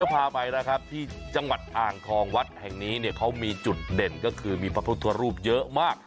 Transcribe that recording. พาไปนะครับที่จังหวัดอ่างทองวัดแห่งนี้เนี่ยเขามีจุดเด่นก็คือมีพระพุทธรูปเยอะมาก